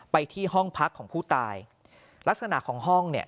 ไปที่ห้องพักของผู้ตายลักษณะของห้องเนี่ย